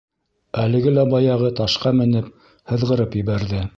Әлеге лә баяғы ташҡа менеп, һыҙғырып ебәрҙе.